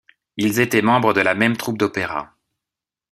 Ils étaient membres de la même troupe d'opéra.